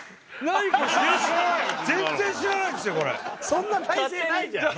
そんな体勢ないじゃん